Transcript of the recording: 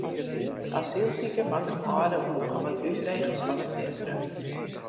De asylsiker moat him hâlde oan nochal wat húsregels fan it sintrum.